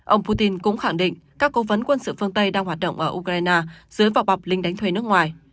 ông putin cũng khẳng định các cố vấn quân sự phương tây đang hoạt động ở ukraine dưới vỏ bọc linh đánh thuê nước ngoài